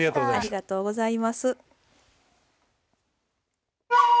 ありがとうございます。